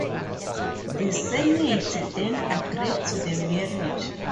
The Senate then agreed to the marriage.